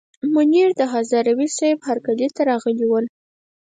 منیر هزاروي صیب هرکلي ته راغلي ول.